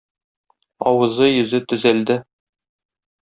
Авызы-йөзе төзәлде.